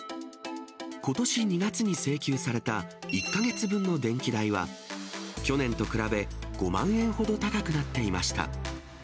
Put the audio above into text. ことし２月に請求された１か月分の電気代は、去年と比べ５万円ほど高くなっていました。